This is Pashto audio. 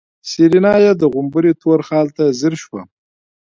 سېرېنا يې د غومبري تور خال ته ځير شوه.